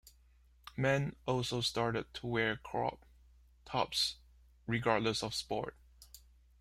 Men also started to wear crop tops regardless of sport.